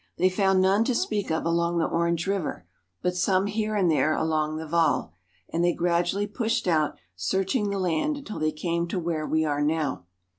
They found none to speak of along the Orange River, but some here and there along the Vaal, and they gradually pushed out, searching the land until they came to where we are now.